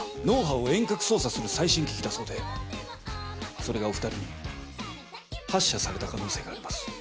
脳波を遠隔操作する最新機器だそうでそれがお二人に発射された可能性があります。